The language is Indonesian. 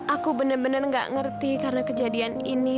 aku bener bener gak ngerti karena kejadian ini